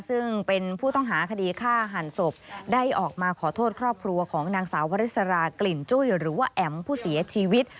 ซึ่งเป็นผู้ต้องหาคดีฆ่าหันศพได้ออกมาขอโทษครอบครัวของนางสาววริสรากลิ่นจุ้ยหรือว่าแอ๋มผู้เสียชีวิต